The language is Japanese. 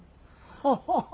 ハハハハ。